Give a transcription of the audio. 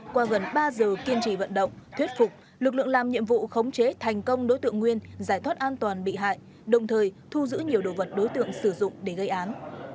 qua gần ba giờ kiên trì vận động thuyết phục lực lượng làm nhiệm vụ khống chế thành công đối tượng nguyên giải thoát an toàn bị hại đồng thời thu giữ nhiều đồ vật đối tượng sử dụng để gây án